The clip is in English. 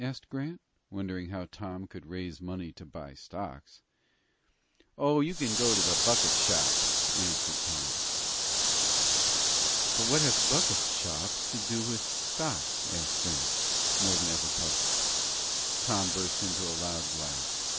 asked Grant, wondering how Tom could raise money to buy stocks. "Oh, you can go to the bucket shops," answered Tom. "But what have bucket shops to do with stocks?" asked Grant, more than ever puzzled. Tom burst into a loud laugh.